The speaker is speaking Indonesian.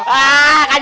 ah mendekati mendekati